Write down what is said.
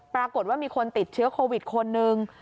ปรากฏว่ามีคนติดเชื้อโควิดคนนึง